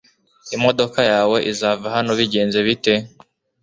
Imodoka yawe izava hano bigenze bite